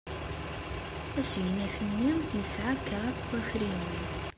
Asegnaf-nni yesɛa kraḍ n wafriwen.